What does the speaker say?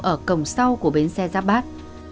ở cổng sau của bến xe giáp bát